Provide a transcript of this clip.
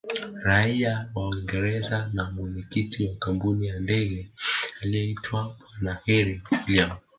Raia wa Uingereza na Mwenyekiti wa kampuni ya ndege aliyeitwa bwana herri William